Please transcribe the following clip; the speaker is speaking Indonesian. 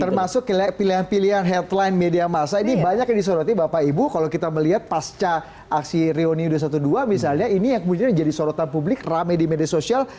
termasuk pilihan pilihan headline media masa ini banyak yang disoroti bapak ibu kalau kita melihat pasca aksi reuni dua ratus dua belas misalnya ini yang kemudian jadi sorotan publik rame di media sosial